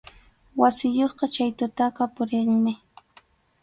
Wasiyuqqa chay tutaqa purinmi.